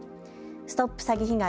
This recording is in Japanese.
ＳＴＯＰ詐欺被害！